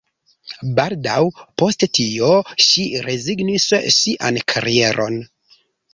Baldaŭ post tio, ŝi rezignis sian karieron.